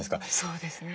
そうですよね